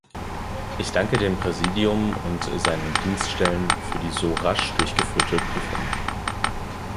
Ich danke dem Präsidium und seinen Dienststellen für die so rasch durchgeführte Prüfung.